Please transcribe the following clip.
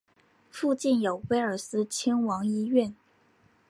附近有威尔斯亲王医院。